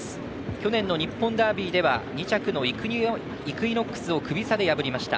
去年の日本ダービーでは２着のイクイノックスをクビ差で破りました。